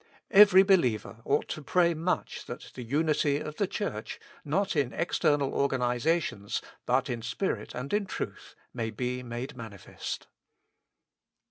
Every believer ought to pray much that the unity of the Church, not in external organizations, but in spirit and in truth, may be made manifest.